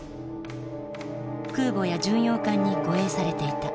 空母や巡洋艦に護衛されていた。